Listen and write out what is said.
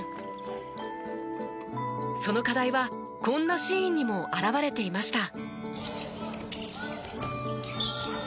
その課題はこんなシーンにも表れていました。